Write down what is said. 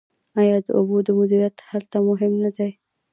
آیا د اوبو مدیریت هلته مهم نه دی؟